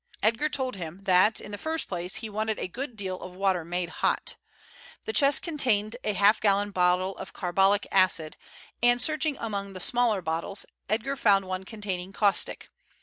Edgar told him that, in the first place, he wanted a good deal of water made hot. The chest contained a half gallon bottle of carbolic acid, and searching among the smaller bottles Edgar found one containing caustic.